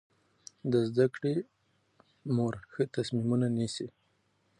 د زده کړې مور ښه تصمیمونه نیسي.